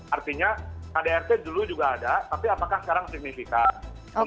artinya kdrt dulu juga ada tapi apakah sekarang signifikan